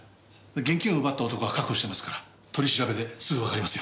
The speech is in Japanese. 現金を奪った男は確保してますから取り調べですぐわかりますよ。